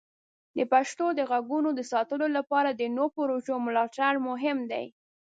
د پښتو د غږونو د ساتلو لپاره د نوو پروژو ملاتړ مهم دی.